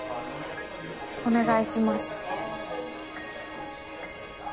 お願いします。